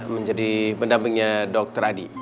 menjadi pendampingnya dokter adi